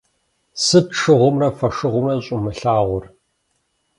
Сыт шыгъумрэ фошыгъумрэ щӀумылъагъур?